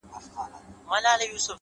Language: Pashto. خداى دي زما د ژوندون ساز جوړ كه!